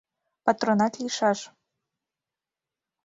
Патронат лийшаш.